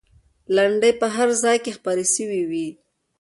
لنډۍ به په هر ځای کې خپرې سوې وي.